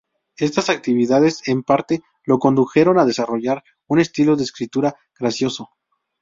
Estas actividades en parte lo condujeron a desarrollar un estilo de escritura gracioso.